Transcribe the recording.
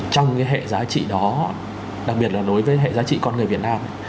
trong cái hệ giá trị đó đặc biệt là đối với hệ giá trị con người việt nam